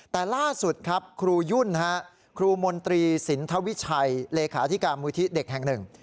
แต่ล่าสุดครับครูยุ่นครูมนตรีสินทวิชัยเลขาธิการมูลที่เด็กแห่งหนึ่ง